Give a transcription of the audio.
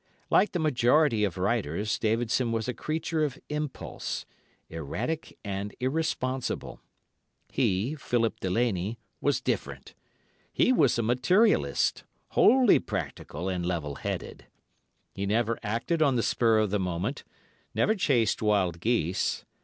Like the majority of writers, Davidson was a creature of impulse—erratic and irresponsible. He, Philip Delaney, was different. He was a materialist, wholly practical and level headed. He never acted on the spur of the moment, never chased wild geese.